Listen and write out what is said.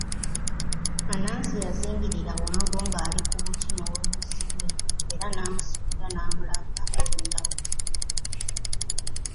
Anansi yazingirira Wango ng'ali ku buti n'oluwuzi lwe era n'amusitula n'amulaga katonda w'eggulu.